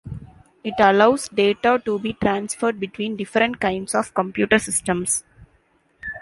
It allows data to be transferred between different kinds of computer systems.